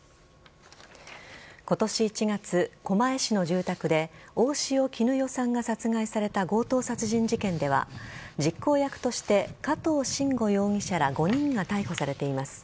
今年１月、狛江市の住宅で大塩衣与さんが殺害された強盗殺人事件では実行役として加藤臣吾容疑者ら５人が逮捕されています。